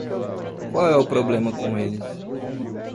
Qual é o problema com eles?